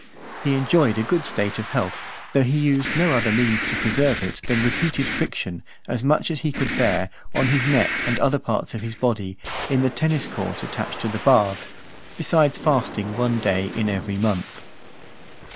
He enjoyed a good state of health, though he used no other means to preserve it, than repeated friction, as much (459) as he could bear, on his neck and other parts of his body, in the tennis court attached to the baths, besides fasting one day in every month.